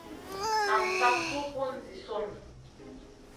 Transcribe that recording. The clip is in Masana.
Nan tab gu bùn zi sùn.